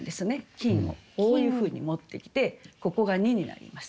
「金」をこういうふうに持ってきてここが２になります。